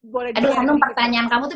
boleh diambil aduh anu pertanyaan kamu tuh